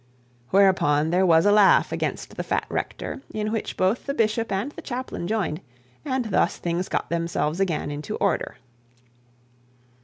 Whereupon there was a laugh against the fat rector, in which both the bishop and the chaplain joined; and thus things got themselves again into order.